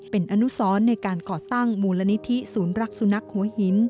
เป็นอนุสรในการก่อตั้งมูลนิธิศูนย์รักสุนัขหัวหิน